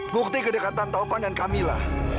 bukti kedekatan taufan dan camillah